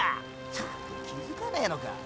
ったく気付くかねぇのか。